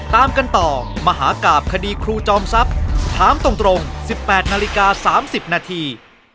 ตามกันต่อมหากราบคดีครูจอมทรัพย์ถามตรง๑๘นาฬิกา๓๐นาที